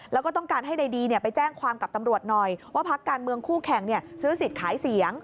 แล้วก็ต้องการให้ในดีไปแจ้งความกับตำรวจหน่อยว่าพักการเมืองคู่แข่งซื้อสิทธิ์ขายเสียง